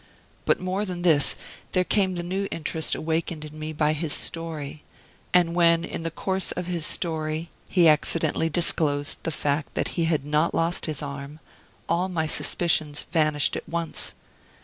But more than this, there came the new interest awakened in me by his story; and when, in the course of his story, he accidentally disclosed the fact that he had not lost his arm, all my suspicions vanished at once.